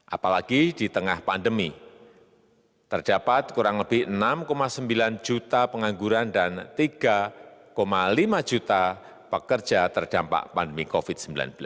apalagi di tengah pandemi terdapat kurang lebih enam sembilan juta pengangguran dan tiga lima juta pekerja terdampak pandemi covid sembilan belas